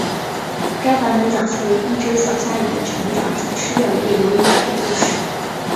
该版本讲述了一只小鲨鱼成长及吃掉一位游泳者的故事。